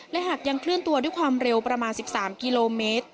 และหากยังเคลื่อนตัวด้วยความเร็วประมาณ๑๓กิโลเมตร